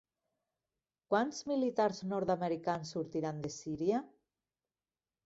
Quants militars nord-americans sortiran de Síria?